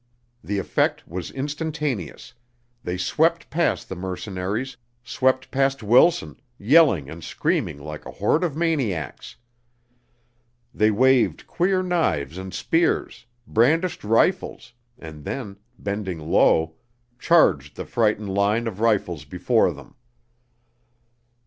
The effect was instantaneous; they swept past the mercenaries, swept past Wilson, yelling and screaming like a horde of maniacs. They waved queer knives and spears, brandished rifles, and then, bending low, charged the frightened line of rifles before them.